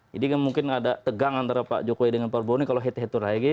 jadi mungkin ada tegang antara pak jokowi dengan pak prabowo kalau head to head lagi